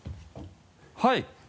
はい。